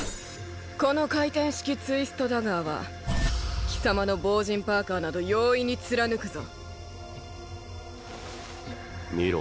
この回転式ツイストダガーは貴様の防刃パーカーなど容易に貫くぞ見ろ